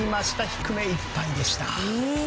低めいっぱいでした。